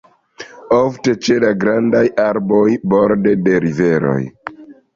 Ofte ĉe la grandaj arboj borde de riveroj.